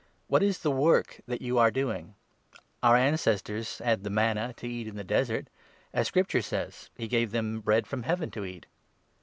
What is the work that you are doing ? Our ancestors had the manna to eat in the desert ; as 31 Scripture says —' He gave them bread from Heaven to eat.'